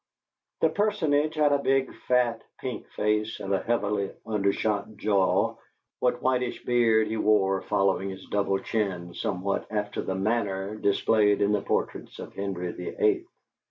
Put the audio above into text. The personage had a big, fat, pink face and a heavily undershot jaw, what whitish beard he wore following his double chin somewhat after the manner displayed in the portraits of Henry the Eighth.